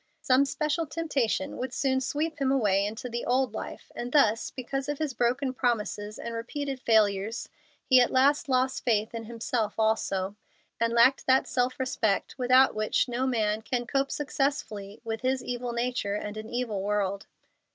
Some special temptation would soon sweep him away into the old life, and thus, because of his broken promises and repeated failures, he at last lost faith in himself also, and lacked that self respect without which no man can cope successfully with his evil nature and an evil world.